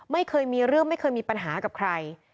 ไม่เคยมีเรื่องไม่เคยมีปัญหากับใคร